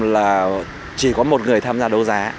là chỉ có một người tham gia đấu giá